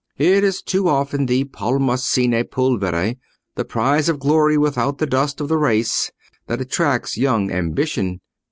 It is too often the 'palma sine pulvere,' the prize of glory without the dust of the race, that attracts young ambition.